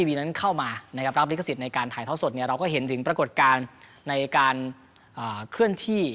เพื่อให้เห็นถึงพัฒนาการฟุษศ